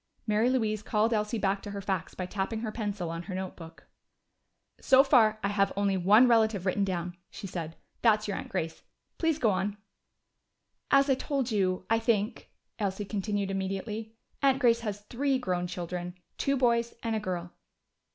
Mary Louise called Elsie back to her facts by tapping her pencil on her notebook. "So far I have only one relative written down," she said. "That's your aunt Grace. Please go on." "As I told you, I think," Elsie continued immediately, "Aunt Grace has three grown children. Two boys and a girl."